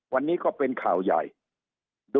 สุดท้ายก็ต้านไม่อยู่